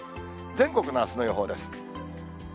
全国のあすの予報です。